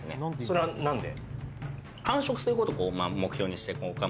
それは何で？